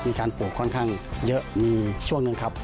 มีการปลูกค่อนข้างเยอะมีช่วงหนึ่งครับ